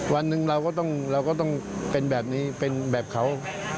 วันหนึ่งเราก็ต้องเราก็ต้องเป็นแบบนี้เป็นแบบเขา